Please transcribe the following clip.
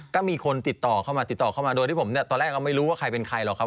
ก็มีคนติดต่อเข้ามาติดต่อเข้ามาโดยที่ผมเนี่ยตอนแรกก็ไม่รู้ว่าใครเป็นใครหรอกครับ